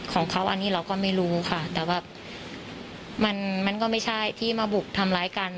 ของเขาอันนี้เราก็ไม่รู้ค่ะแต่แบบมันมันก็ไม่ใช่ที่มาบุกทำร้ายกัน